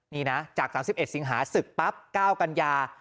นี่นะจาก๓๑สิงหาศึกปั๊บ๙กันยา